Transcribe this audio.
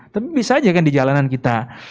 tapi bisa aja kan di jalanan kita